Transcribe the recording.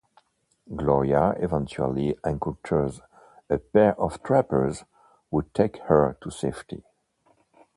Gloria eventually encounters a pair of trappers, who take her to safety.